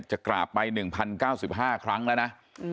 จะกราบไปหนึ่งพันเก้าสิบห้าครั้งแล้วนะ